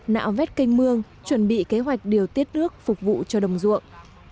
nạo vét canh mương chuẩn bị kế hoạch điều tiết nước phục vụ cho đồng ruộng